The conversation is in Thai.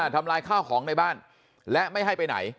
ทำลายข้าวของในบ้านและไม่ให้ไปไหน